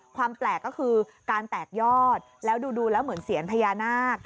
ความแปลกก็คือการแตกยอดแล้วดูแล้วเหมือนเสียญพญานาค